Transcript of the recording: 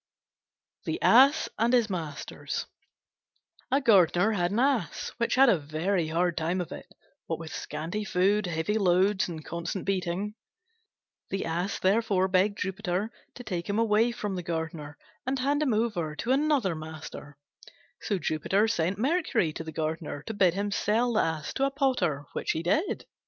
THE ASS AND HIS MASTERS A Gardener had an Ass which had a very hard time of it, what with scanty food, heavy loads, and constant beating. The Ass therefore begged Jupiter to take him away from the Gardener and hand him over to another master. So Jupiter sent Mercury to the Gardener to bid him sell the Ass to a Potter, which he did.